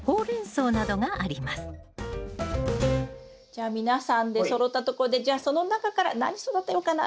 じゃあ皆さん出そろったところでじゃあその中から何育てようかな？